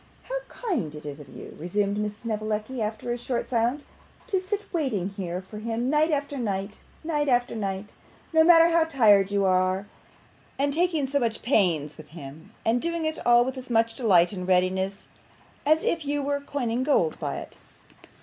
'How kind it is of you,' resumed Miss Snevellicci, after a short silence, 'to sit waiting here for him night after night, night after night, no matter how tired you are; and taking so much pains with him, and doing it all with as much delight and readiness as if you were coining gold by it!